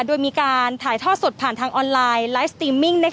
โดยมีการถ่ายทอดสดผ่านทางออนไลน์ไลฟ์สตรีมมิ่ง